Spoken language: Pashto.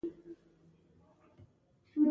د اوبو لګول د یخنۍ مخه نیسي؟